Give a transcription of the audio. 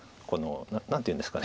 何ていうんですか。